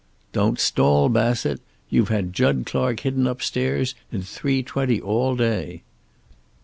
"Don't stall, Bassett. You've had Jud Clark hidden upstairs in three twenty all day."